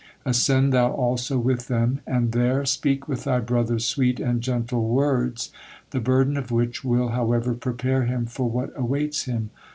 Ascend thou also with them, and there speak with thy brother sweet and gentle words, the burden of which will, however, prepare him for what awaits him.